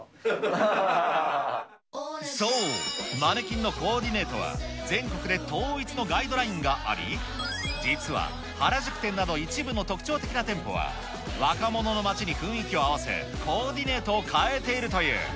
そう、マネキンのコーディネートは全国で統一のガイドラインがあり、実は原宿店など一部の特徴的な店舗は、若者の街に雰囲気を合わせ、コーディネートを変えているという。